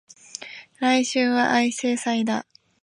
来週は相生祭だ